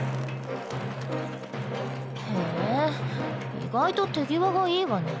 意外と手際がいいわね。